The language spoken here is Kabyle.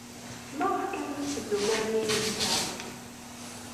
Maɣef kan ur tetteddum ara yid-nteɣ?